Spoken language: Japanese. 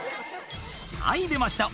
はい出ました